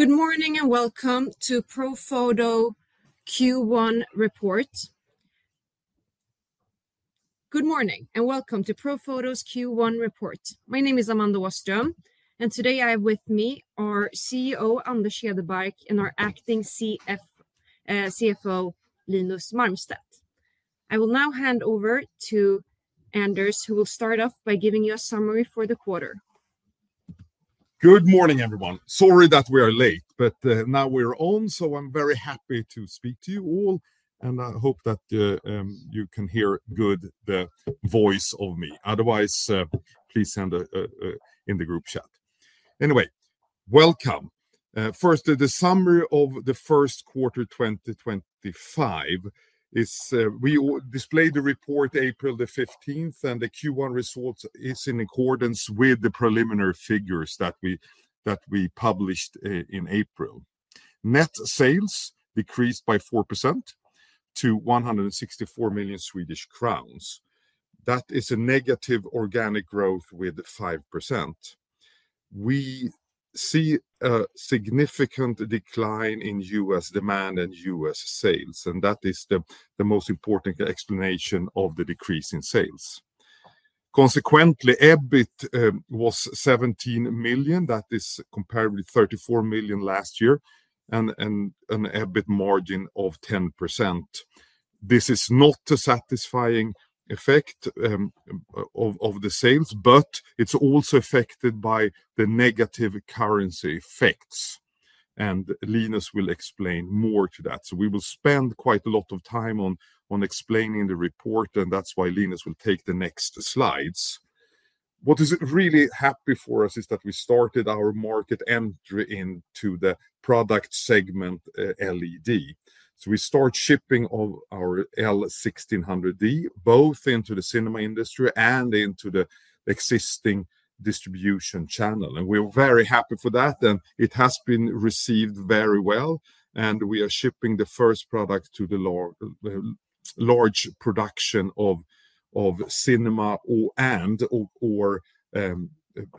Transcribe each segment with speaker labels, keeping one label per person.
Speaker 1: Good morning and welcome to Profoto Q1 report. Good morning and welcome to Profoto's Q1 Report. My name is Amanda Åström, and today I have with me our CEO Anders Hedebark and our Acting CFO Linus Marmstedt. I will now hand over to Anders, who will start off by giving you a summary for the quarter.
Speaker 2: Good morning, everyone. Sorry that we are late, but now we're on, so I'm very happy to speak to you all, and I hope that you can hear good the voice of me. Otherwise, please send a in the group chat. Anyway, welcome. First, the summary of the first quarter 2025 is we displayed the report April 15, and the Q1 results are in accordance with the preliminary figures that we published in April. Net sales decreased by 4% to 164 million Swedish crowns. That is a negative organic growth with 5%. We see a significant decline in U.S. demand and U.S. sales, and that is the most important explanation of the decrease in sales. Consequently, EBIT was 17 million. That is comparatively 34 million last year and an EBIT margin of 10%. This is not a satisfying effect of the sales, but it's also affected by the negative currency effects. Linus will explain more to that. We will spend quite a lot of time on explaining the report, and that's why Linus will take the next slides. What is really happy for us is that we started our market entry into the product segment LED. We start shipping of our L1600D both into the cinema industry and into the existing distribution channel. We're very happy for that, and it has been received very well. We are shipping the first product to the large production of cinema and/or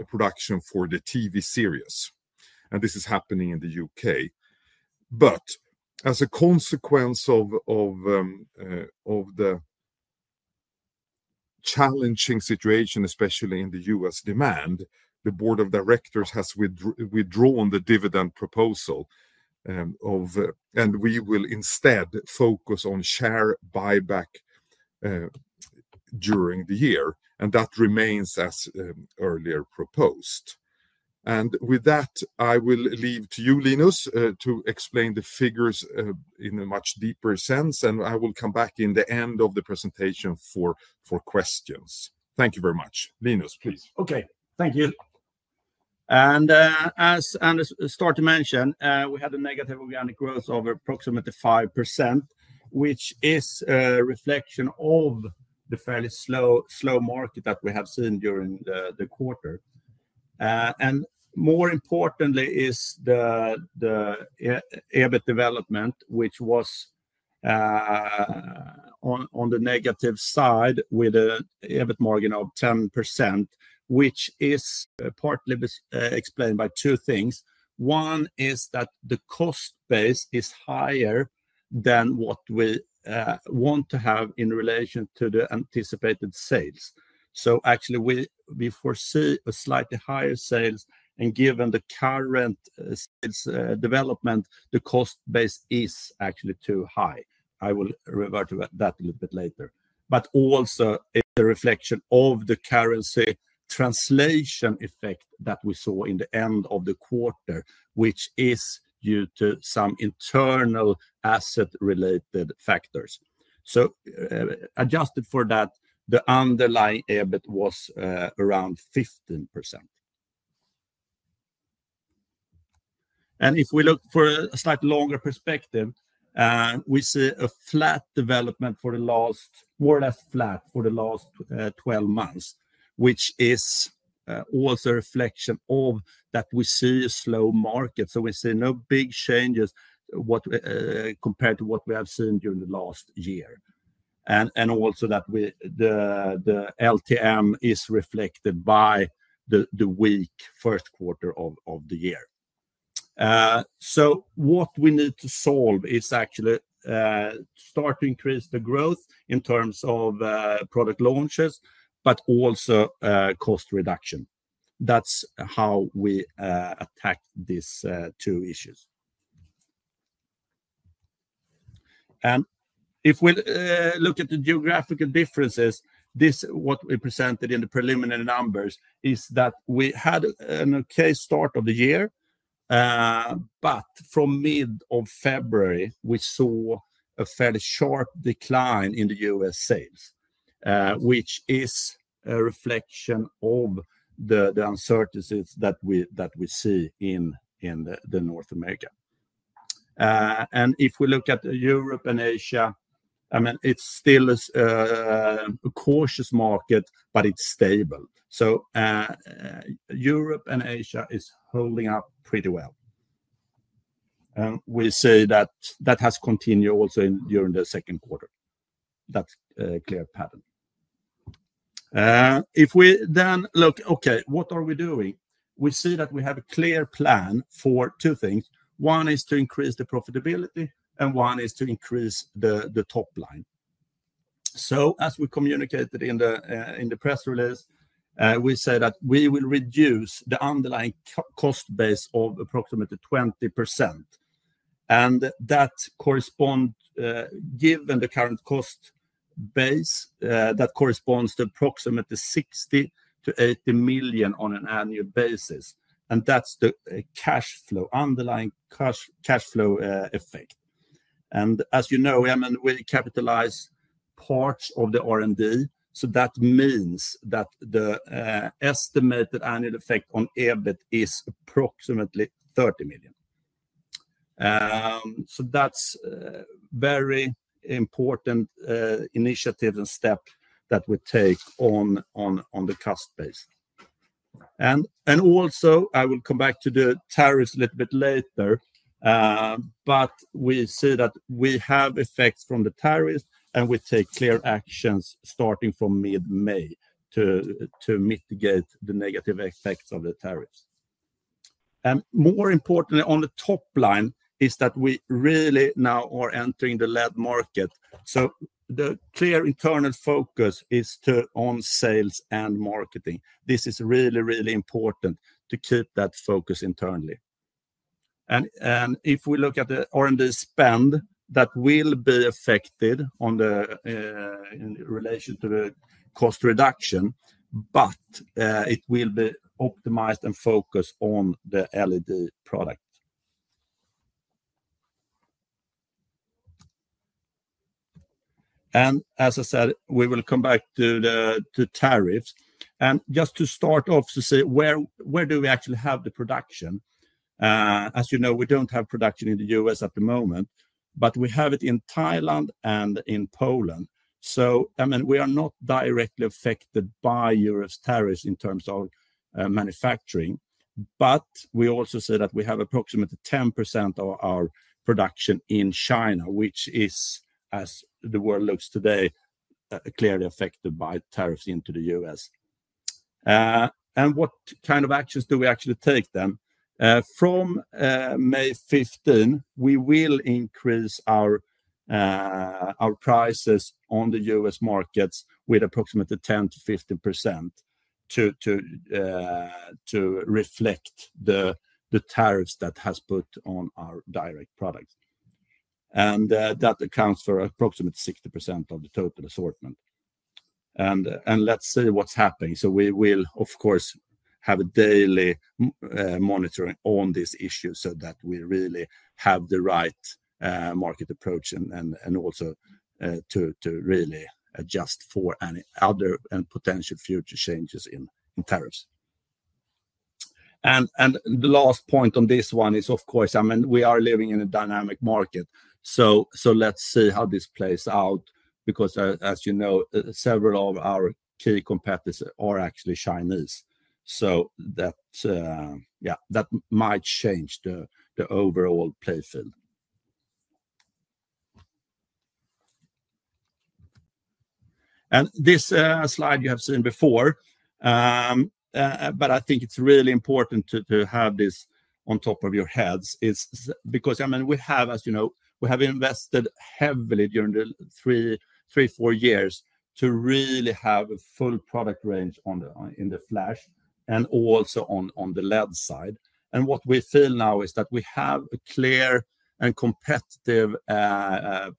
Speaker 2: production for the TV series. This is happening in the U.K. As a consequence of the challenging situation, especially in the U.S. demand, the board of directors has withdrawn the dividend proposal, and we will instead focus on share buyback during the year. That remains as earlier proposed. With that, I will leave to you, Linus, to explain the figures in a much deeper sense, and I will come back in the end of the presentation for questions. Thank you very much. Linus, please.
Speaker 3: Okay, thank you. As Anders started to mention, we had a negative organic growth of approximately 5%, which is a reflection of the fairly slow market that we have seen during the quarter. More importantly, the EBIT development was on the negative side with an EBIT margin of 10%, which is partly explained by two things. One is that the cost base is higher than what we want to have in relation to the anticipated sales. Actually, we foresee a slightly higher sales, and given the current sales development, the cost base is actually too high. I will revert to that a little bit later. Also, it is a reflection of the currency translation effect that we saw in the end of the quarter, which is due to some internal asset-related factors. Adjusted for that, the underlying EBIT was around 15%. If we look for a slightly longer perspective, we see a flat development for the last, more or less flat for the last 12 months, which is also a reflection of that we see a slow market. We see no big changes compared to what we have seen during the last year. Also, the LTM is reflected by the weak first quarter of the year. What we need to solve is actually start to increase the growth in terms of product launches, but also cost reduction. That's how we attack these two issues. If we look at the geographical differences, what we presented in the preliminary numbers is that we had an okay start of the year, but from mid of February, we saw a fairly sharp decline in the U.S. sales, which is a reflection of the uncertainties that we see in North America. If we look at Europe and Asia, I mean, it's still a cautious market, but it's stable. Europe and Asia is holding up pretty well. We see that that has continued also during the second quarter. That's a clear pattern. If we then look, okay, what are we doing? We see that we have a clear plan for two things. One is to increase the profitability, and one is to increase the top line. As we communicated in the press release, we said that we will reduce the underlying cost base by approximately 20%. That corresponds, given the current cost base, to approximately 60 million-80 million on an annual basis. That is the cash flow, underlying cash flow effect. As you know, I mean, we capitalize parts of the R&D. That means that the estimated annual effect on EBIT is approximately SEK 30 million. That is a very important initiative and step that we take on the cost base. Also, I will come back to the tariffs a little bit later, but we see that we have effects from the tariffs, and we take clear actions starting from mid-May to mitigate the negative effects of the tariffs. More importantly, on the top line is that we really now are entering the lead market. The clear internal focus is on sales and marketing. This is really, really important to keep that focus internally. If we look at the R&D spend, that will be affected in relation to the cost reduction, but it will be optimized and focused on the LED product. As I said, we will come back to tariffs. Just to start off to see where do we actually have the production. As you know, we do not have production in the U.S. at the moment, but we have it in Thailand and in Poland. I mean, we are not directly affected by Europe's tariffs in terms of manufacturing, but we also see that we have approximately 10% of our production in China, which is, as the world looks today, clearly affected by tariffs into the U.S. What kind of actions do we actually take then? From May 15, we will increase our prices on the U.S. markets with approximately 10%-15% to reflect the tariffs that have been put on our direct products. That accounts for approximately 60% of the total assortment. Let's see what's happening. We will, of course, have a daily monitoring on this issue so that we really have the right market approach and also to really adjust for any other and potential future changes in tariffs. The last point on this one is, of course, I mean, we are living in a dynamic market. Let's see how this plays out because, as you know, several of our key competitors are actually Chinese. That might change the overall play field. This slide you have seen before, but I think it's really important to have this on top of your heads because, I mean, we have, as you know, invested heavily during the three, four years to really have a full product range in the flash and also on the LED side. What we feel now is that we have a clear and competitive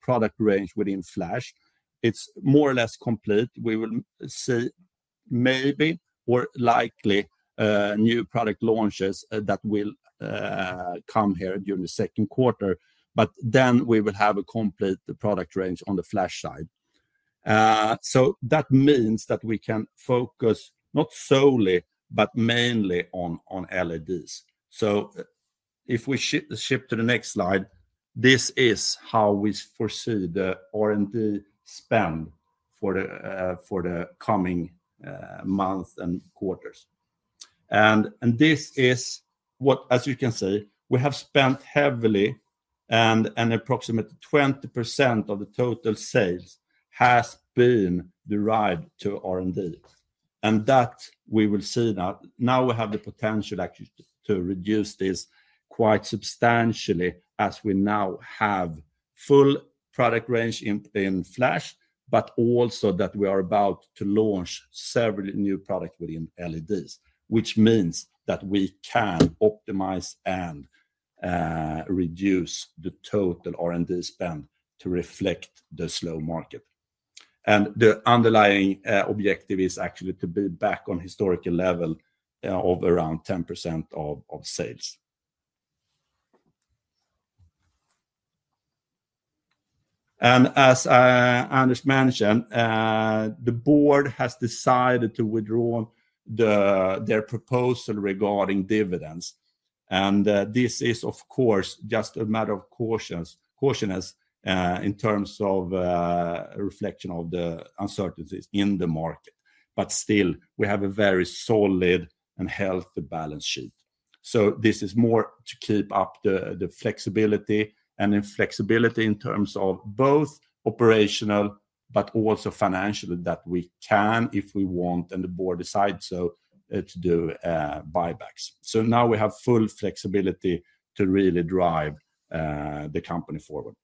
Speaker 3: product range within flash. It's more or less complete. We will see maybe or likely new product launches that will come here during the second quarter, but then we will have a complete product range on the flash side. That means that we can focus not solely, but mainly on LEDs. If we shift to the next slide, this is how we foresee the R&D spend for the coming months and quarters. This is what, as you can see, we have spent heavily, and approximately 20% of the total sales has been derived to R&D. We will see now. We have the potential to reduce this quite substantially as we now have full product range in flash, but also that we are about to launch several new products within LEDs, which means that we can optimize and reduce the total R&D spend to reflect the slow market. The underlying objective is actually to be back on historical level of around 10% of sales. As Anders mentioned, the board has decided to withdraw their proposal regarding dividends. This is, of course, just a matter of caution in terms of reflection of the uncertainties in the market. Still, we have a very solid and healthy balance sheet. This is more to keep up the flexibility and inflexibility in terms of both operational, but also financial that we can, if we want and the board decides so, do buybacks. Now we have full flexibility to really drive the company forward.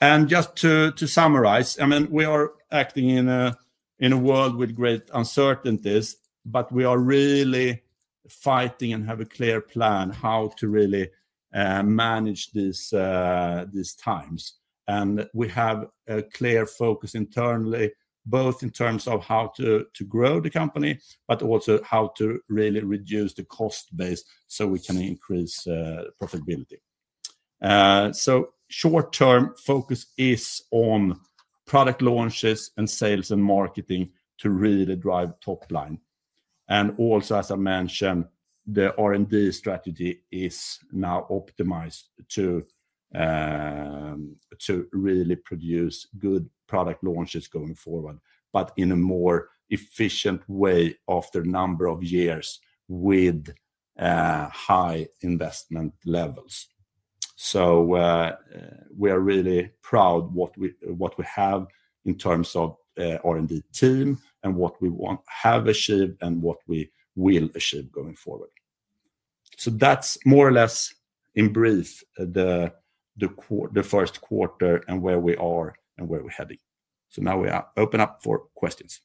Speaker 3: Just to summarize, I mean, we are acting in a world with great uncertainties, but we are really fighting and have a clear plan how to really manage these times. We have a clear focus internally, both in terms of how to grow the company, but also how to really reduce the cost base so we can increase profitability. Short-term focus is on product launches and sales and marketing to really drive top line. As I mentioned, the R&D strategy is now optimized to really produce good product launches going forward, but in a more efficient way after a number of years with high investment levels. We are really proud of what we have in terms of R&D team and what we have achieved and what we will achieve going forward. That is more or less in brief the first quarter and where we are and where we're heading. Now we open up for questions.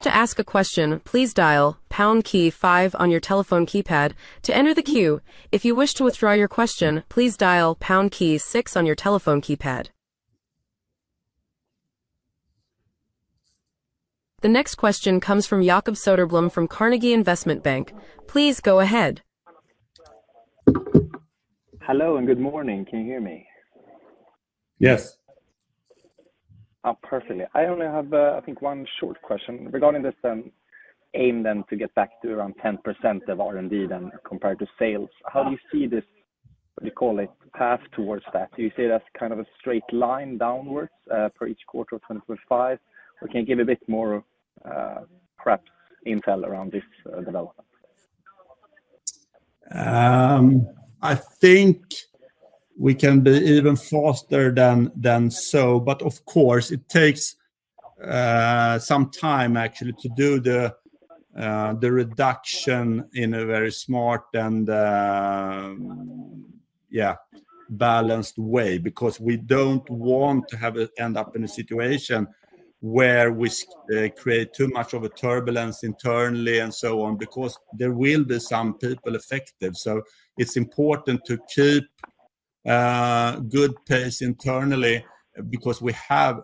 Speaker 4: To ask a question, please dial pound key five on your telephone keypad to enter the queue. If you wish to withdraw your question, please dial pound key six on your telephone keypad. The next question comes from Jacob Söderblom from Carnegie Investment Bank. Please go ahead.
Speaker 5: Hello and good morning. Can you hear me?
Speaker 3: Yes.
Speaker 5: Perfect. I only have, I think, one short question regarding this. Aim then to get back to around 10% of R&D then compared to sales. How do you see this, what do you call it, path towards that? Do you see it as kind of a straight line downwards for each quarter of 2025? Or can you give a bit more perhaps info around this development?
Speaker 3: I think we can be even faster than so, but of course, it takes some time actually to do the reduction in a very smart and, yeah, balanced way because we do not want to end up in a situation where we create too much of a turbulence internally and so on because there will be some people affected. It is important to keep a good pace internally because we have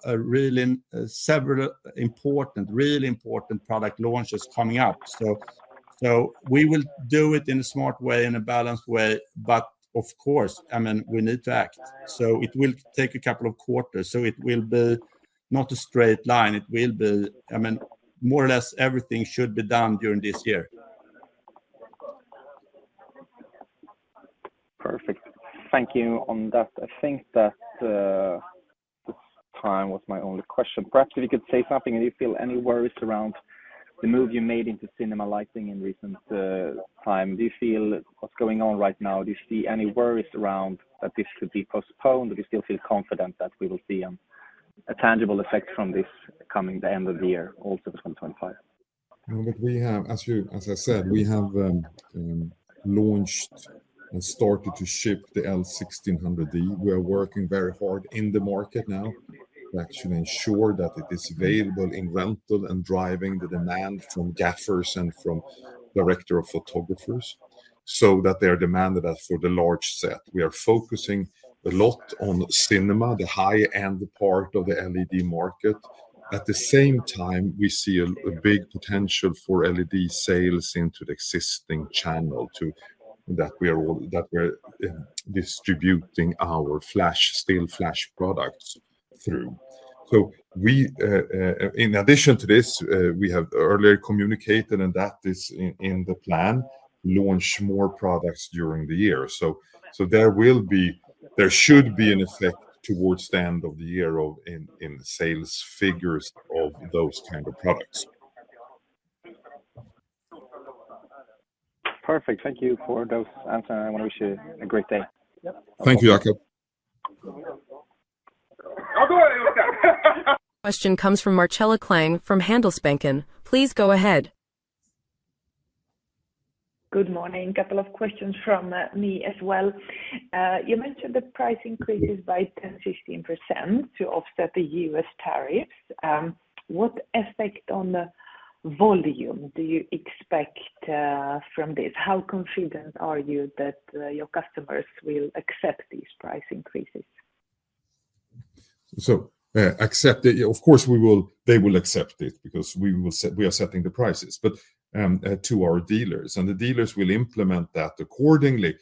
Speaker 3: several important, really important product launches coming up. We will do it in a smart way, in a balanced way, but of course, I mean, we need to act. It will take a couple of quarters. It will be not a straight line. It will be, I mean, more or less everything should be done during this year.
Speaker 5: Perfect. Thank you on that. I think that this time was my only question. Perhaps if you could say something, do you feel any worries around the move you made into cinema lighting in recent time? Do you feel what's going on right now? Do you see any worries around that this could be postponed? Do you still feel confident that we will see a tangible effect from this coming the end of the year, also for 2025?
Speaker 2: I mean, as I said, we have launched and started to ship the L1600D. We are working very hard in the market now to actually ensure that it is available in rental and driving the demand from gaffers and from director of photographers so that they are demanded for the large set. We are focusing a lot on cinema, the high-end part of the LED market. At the same time, we see a big potential for LED sales into the existing channel that we are distributing our still flash products through. In addition to this, we have earlier communicated, and that is in the plan, launch more products during the year. There should be an effect towards the end of the year in sales figures of those kinds of products.
Speaker 5: Perfect. Thank you for those answers. I wish you a great day.
Speaker 2: Thank you, Jakob.
Speaker 4: Question comes from Marcela Klang from Handelsbanken. Please go ahead.
Speaker 6: Good morning. Couple of questions from me as well. You mentioned the price increases by 10%-15% to offset the U.S. tariffs. What effect on the volume do you expect from this? How confident are you that your customers will accept these price increases?
Speaker 2: Accept it. Of course, they will accept it because we are setting the prices to our dealers. The dealers will implement that accordingly.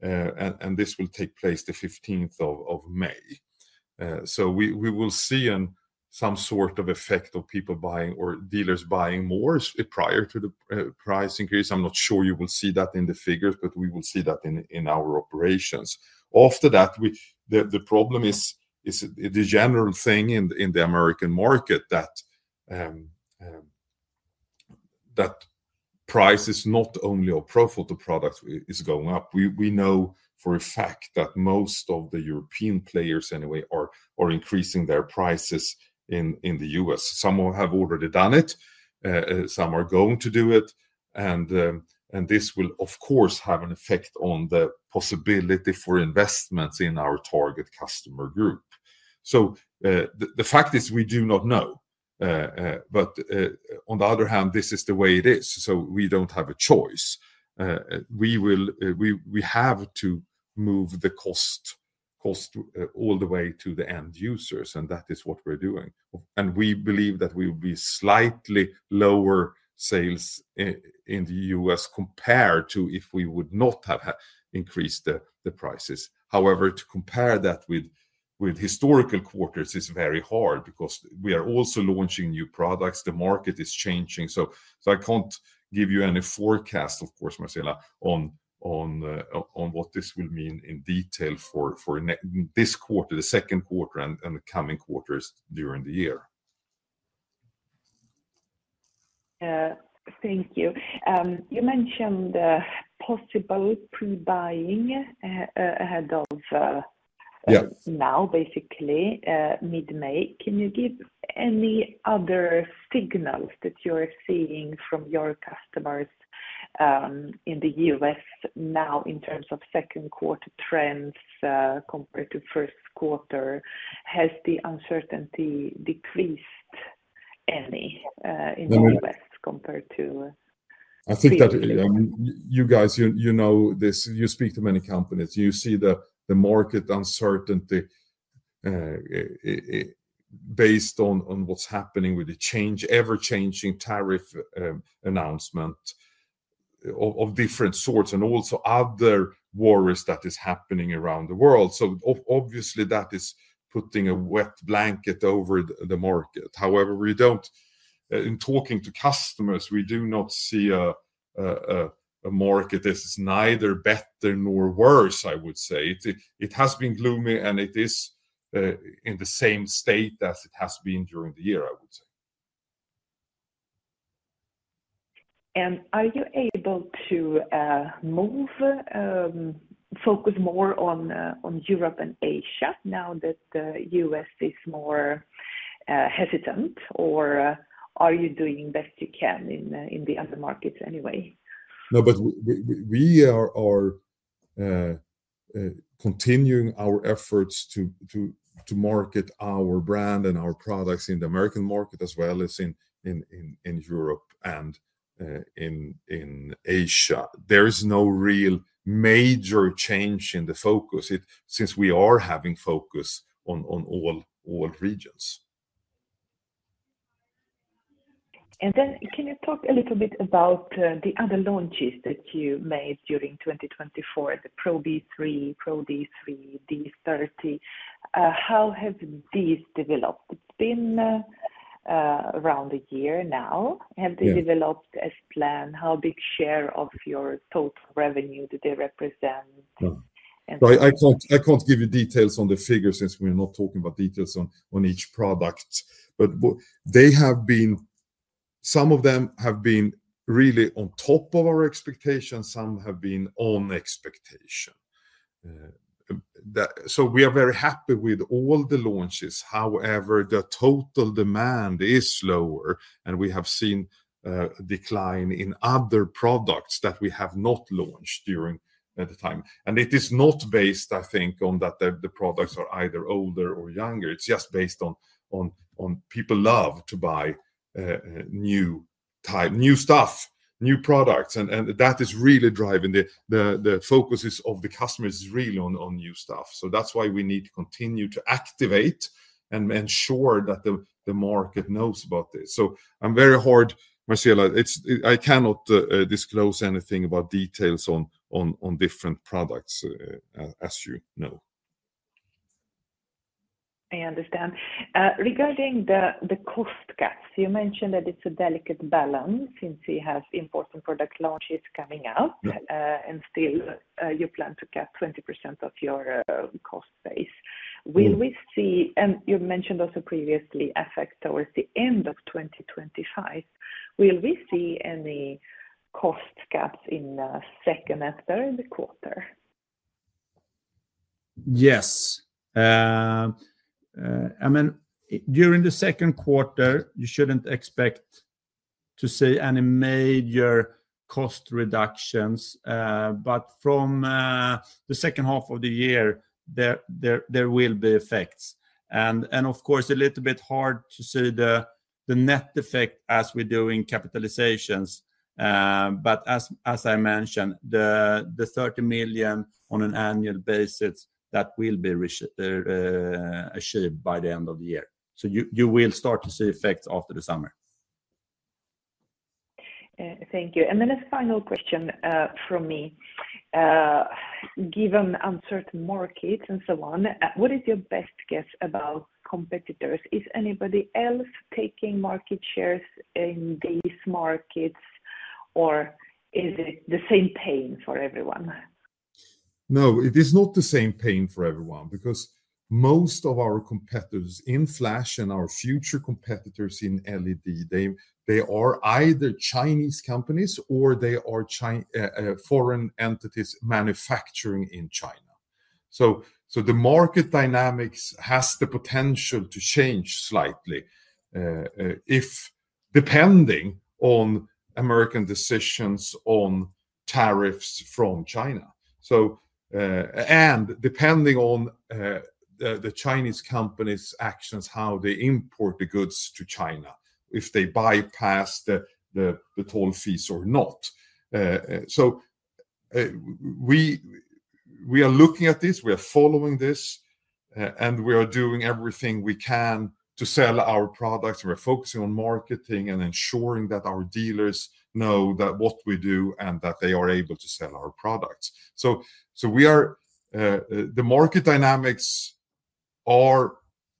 Speaker 2: This will take place the 15th of May. We will see some sort of effect of people buying or dealers buying more prior to the price increase. I'm not sure you will see that in the figures, but we will see that in our operations. After that, the problem is the general thing in the American market that prices not only of Profoto products are going up. We know for a fact that most of the European players anyway are increasing their prices in the U.S. Some have already done it. Some are going to do it. This will, of course, have an effect on the possibility for investments in our target customer group. The fact is we do not know. On the other hand, this is the way it is. We do not have a choice. We have to move the cost all the way to the end users, and that is what we are doing. We believe that we will have slightly lower sales in the U.S. compared to if we had not increased the prices. However, to compare that with historical quarters is very hard because we are also launching new products. The market is changing. I cannot give you any forecast, of course, Marcella, on what this will mean in detail for this quarter, the second quarter, and the coming quarters during the year.
Speaker 6: Thank you. You mentioned possible pre-buying ahead of now, basically mid-May. Can you give any other signals that you are seeing from your customers in the U.S. now in terms of second quarter trends compared to first quarter? Has the uncertainty decreased any in the U.S. compared to?
Speaker 2: I think that you guys know this. You speak to many companies. You see the market uncertainty based on what's happening with the ever-changing tariff announcement of different sorts and also other worries that are happening around the world. Obviously, that is putting a wet blanket over the market. However, in talking to customers, we do not see a market that is neither better nor worse, I would say. It has been gloomy, and it is in the same state as it has been during the year, I would say.
Speaker 6: Are you able to move, focus more on Europe and Asia now that the U.S. is more hesitant, or are you doing the best you can in the other markets anyway?
Speaker 2: No, but we are continuing our efforts to market our brand and our products in the American market as well as in Europe and in Asia. There is no real major change in the focus since we are having focus on all regions.
Speaker 6: Can you talk a little bit about the other launches that you made during 2024, the ProB3, ProD3, D30? How have these developed? It's been around a year now. Have they developed as planned? How big share of your total revenue do they represent?
Speaker 2: I can't give you details on the figures since we're not talking about details on each product. Some of them have been really on top of our expectations. Some have been on expectation. We are very happy with all the launches. However, the total demand is lower, and we have seen a decline in other products that we have not launched during the time. It is not based, I think, on the products being either older or younger. It's just based on people love to buy new stuff, new products. That is really driving the focus of the customers, is really on new stuff. That's why we need to continue to activate and ensure that the market knows about this. I'm very hard, Marcella. I cannot disclose anything about details on different products, as you know.
Speaker 6: I understand. Regarding the cost cuts, you mentioned that it's a delicate balance since we have important product launches coming up, and still you plan to cut 20% of your cost base. You mentioned also previously effect towards the end of 2025. Will we see any cost cuts in the second and third quarter?
Speaker 3: Yes. I mean, during the second quarter, you shouldn't expect to see any major cost reductions. From the second half of the year, there will be effects. Of course, a little bit hard to see the net effect as we're doing capitalizations. As I mentioned, the 30 million on an annual basis, that will be achieved by the end of the year. You will start to see effects after the summer.
Speaker 6: Thank you. Then a final question from me. Given uncertain markets and so on, what is your best guess about competitors? Is anybody else taking market shares in these markets, or is it the same pain for everyone?
Speaker 2: No, it is not the same pain for everyone because most of our competitors in flash and our future competitors in LED, they are either Chinese companies or they are foreign entities manufacturing in China. The market dynamics has the potential to change slightly depending on American decisions on tariffs from China. Depending on the Chinese company's actions, how they import the goods to China, if they bypass the toll fees or not. We are looking at this. We are following this, and we are doing everything we can to sell our products. We are focusing on marketing and ensuring that our dealers know what we do and that they are able to sell our products. The market dynamics are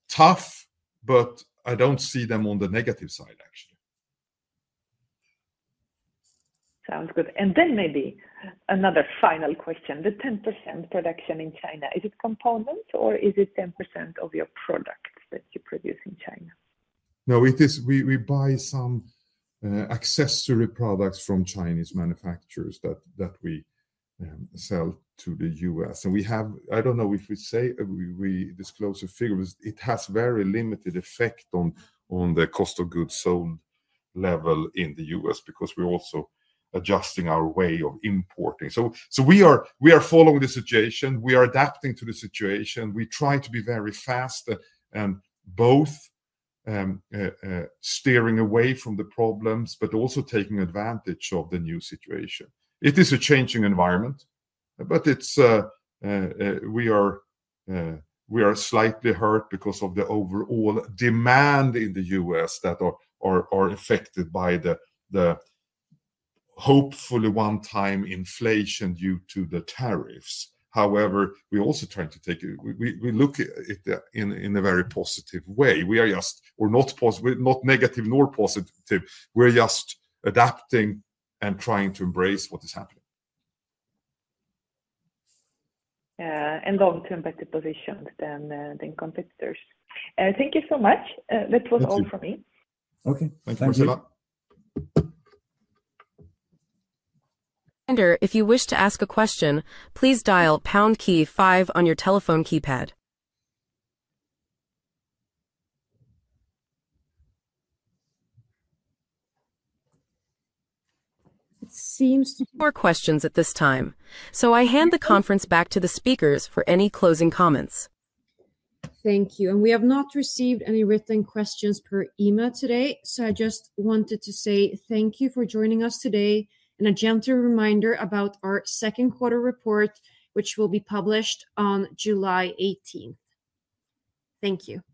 Speaker 2: tough, but I do not see them on the negative side, actually.
Speaker 6: Sounds good. Maybe another final question. The 10% production in China, is it components, or is it 10% of your products that you produce in China?
Speaker 2: No, we buy some accessory products from Chinese manufacturers that we sell to the U.S. I do not know if we disclose the figures. It has very limited effect on the cost of goods sold level in the U.S. because we are also adjusting our way of importing. We are following the situation. We are adapting to the situation. We try to be very fast and both steering away from the problems, but also taking advantage of the new situation. It is a changing environment, but we are slightly hurt because of the overall demand in the U.S. that are affected by the hopefully one-time inflation due to the tariffs. However, we also try to take it. We look at it in a very positive way. We are just not negative nor positive. We are just adapting and trying to embrace what is happening.
Speaker 6: Long-term better positions than competitors. Thank you so much. That was all from me.
Speaker 2: Okay. Thank you.
Speaker 3: Thank you.
Speaker 4: If you wish to ask a question, please dial pound key five on your telephone keypad. It seems to be no more questions at this time. I hand the conference back to the speakers for any closing comments.
Speaker 1: Thank you. We have not received any written questions per email today. I just wanted to say thank you for joining us today and a gentle reminder about our second quarter report, which will be published on July 18th. Thank you.